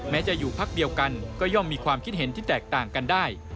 จะอยู่พักเดียวกันก็ย่อมมีความคิดเห็นที่แตกต่างกันได้